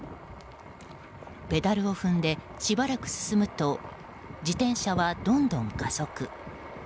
ペダルを踏んでしばらく進むと自転車はどんどん加速。